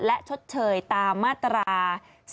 และชดเชยตามมาตรา๔๔